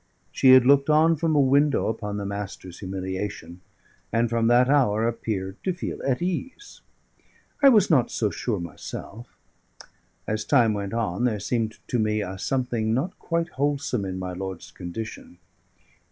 She had looked on from a window upon the Master's humiliation; and from that hour appeared to feel at ease. I was not so sure myself; as time went on, there seemed to me a something not quite wholesome in my lord's condition.